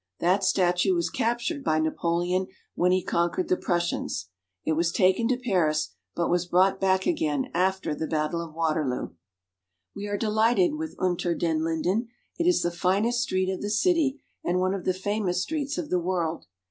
That statue was captured by Napoleon when he conquered the Prussians ; it was taken to Paris, but was brought back again after the battle of Waterloo. gsT|i: i ♦ i Unter den Linden. We are delighted with Unter den Linden. It is the finest street of the city, and one of the famous streets of the world.